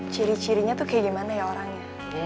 ciri cirinya tuh kayak gimana ya orangnya